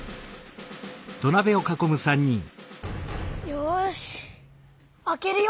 よしあけるよ。